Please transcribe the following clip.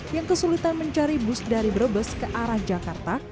yang kesulitan mencari bus dari brebes ke arah jakarta